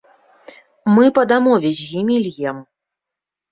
Мы па дамове з імі льем.